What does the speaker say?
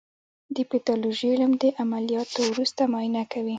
د پیتالوژي علم د عملیاتو وروسته معاینه کوي.